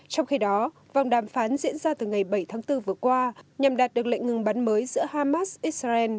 trong khi đó vòng đàm phán diễn ra từ ngày bảy tháng bốn vừa qua nhằm đạt được lệnh ngừng bắn mới giữa hamas israel